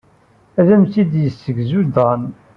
Ad am-t-id-yessegzu Dan.